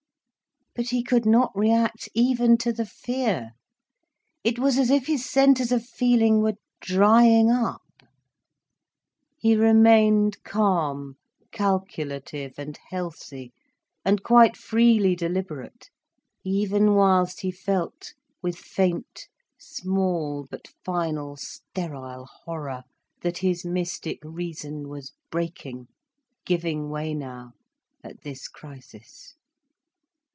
But he could not react even to the fear. It was as if his centres of feeling were drying up. He remained calm, calculative and healthy, and quite freely deliberate, even whilst he felt, with faint, small but final sterile horror, that his mystic reason was breaking, giving way now, at this crisis.